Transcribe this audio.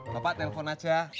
bapak telfon aja